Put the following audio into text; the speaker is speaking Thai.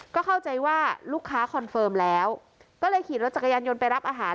ก็เข้าใจว่าลูกค้าคอนเฟิร์มแล้วก็เลยขี่รถจักรยานยนต์ไปรับอาหาร